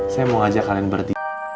saya mau ajak kalian berdua